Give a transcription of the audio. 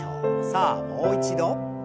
さあもう一度。